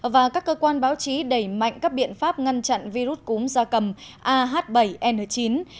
và các cơ quan báo chí đẩy mạnh các biện pháp ngăn chặn virus cúm da cầm ah bảy n chín